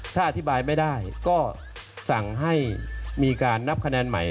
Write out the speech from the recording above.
ถ้าอธิบายไม่ได้ก็สั่งให้มีการนับคะแนนใหม่